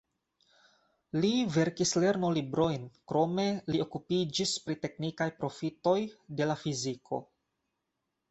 Li verkis lernolibrojn, krome li okupiĝis pri teknikaj profitoj de la fiziko.